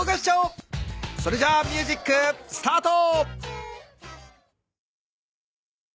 それじゃミュージックスタート！